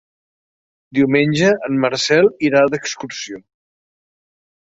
Diumenge en Marcel irà d'excursió.